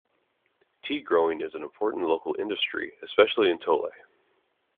Tea growing is an important local industry, especially in Tole.